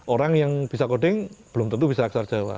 orang yang bisa coding belum tentu bisa aksar jawa